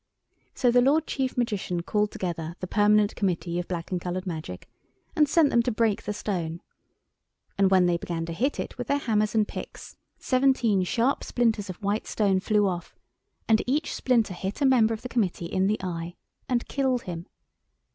So the Lord Chief Magician called together the Permanent Committee of Black and Coloured Magic and sent them to break the stone. And when they began to hit it with their hammers and picks seventeen sharp splinters of white stone flew off, and each splinter hit a member of the Committee in the eye and killed him.